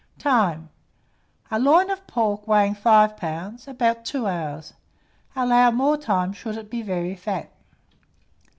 Time. A loin of pork weighing 5 lbs., about 2 hours: allow more time should it be very fat.